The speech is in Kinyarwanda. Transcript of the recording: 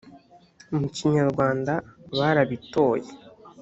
mu kinyarwanda barabitoye